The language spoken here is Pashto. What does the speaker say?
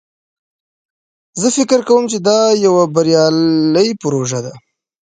زه فکر کوم چې دا یوه بریالی پروژه ده